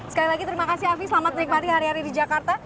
sekali lagi terima kasih afi selamat menikmati hari hari di jakarta